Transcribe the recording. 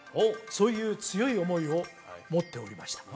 そういう強い思いを持っておりました